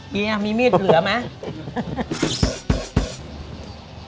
เมียมีมีดเหลือไหม